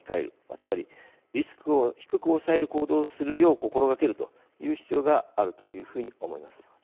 つまりリスクを低く抑える行動をするよう心がけるという必要があるというふうに思います。